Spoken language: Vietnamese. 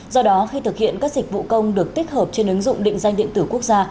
do đó khi thực hiện các dịch vụ công được tích hợp trên ứng dụng định danh điện tử quốc gia